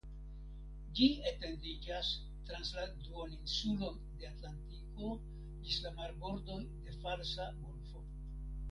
Ĝi etendiĝas trans la duoninsulon de Atlantiko ĝis la marbordoj de Falsa Golfo.